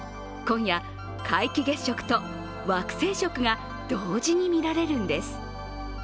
今夜、皆既月食と惑星食が同時に見られるんです。